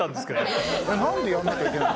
なんでやんなきゃいけないの？